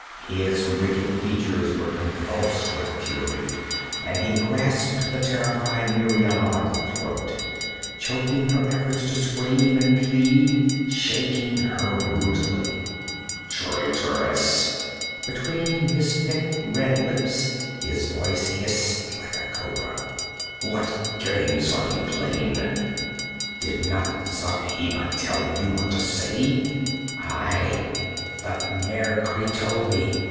His wicked features were convulsed with fury, and he grasped the terrified Muriela by the throat, choking her efforts to scream and plead, shaking her brutally. 'Traitress!' Between his thick red lips his voice hissed like a cobra. 'What game are you playing? Did not Zargheba tell you what to say? Aye, Thutmekri told me!